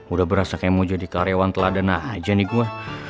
udah berasa kayak mau jadi karyawan teladan aja nih gue